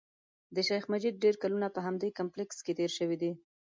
د شیخ مجید ډېر کلونه په همدې کمپلېکس کې تېر شوي دي.